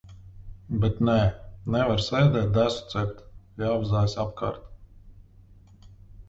Bet nē, nevar sēdēt desu cept, jāvazājas apkārt.